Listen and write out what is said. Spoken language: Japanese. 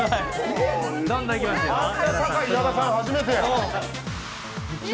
あんな高い矢田さん、初めてや。